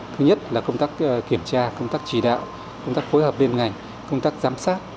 thứ nhất là công tác kiểm tra công tác chỉ đạo công tác phối hợp liên ngành công tác giám sát